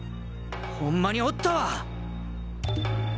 ホンマにおったわ！